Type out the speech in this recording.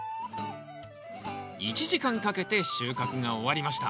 １時間かけて収穫が終わりました